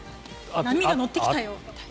波に乗ってきたよみたいな？